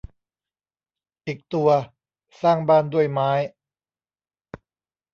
อีกตัว สร้างบ้านด้วยไม้